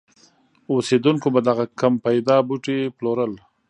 اوسېدونکو به دغه کم پیدا بوټي پلورل.